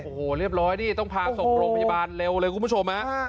โอ้โหเรียบร้อยนี่ต้องพาส่งโรงพยาบาลเร็วเลยคุณผู้ชมฮะ